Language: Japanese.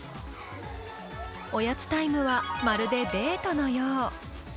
おやつタイムはまるでデートのよう。